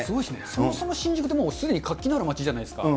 そもそも新宿って、すでに活気ある街じゃないですか。